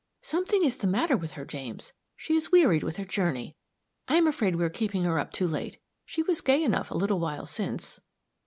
"Something is the matter with her, James. She is wearied with her journey. I am afraid we are keeping her up too late. She was gay enough a little while since."